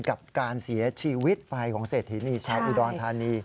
กับการเสียชีวิตไปของเศรษฐีนีชาวอุดรธานี